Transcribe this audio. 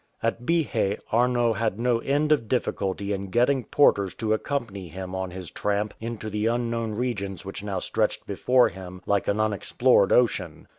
At Bihe Arnot had no end of difficulty in getting porters to accompany him on his tramp into the unknown regions which now stretched before him like an unexplored ocean.